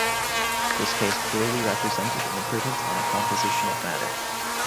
This case clearly represented an improvement on a composition of matter.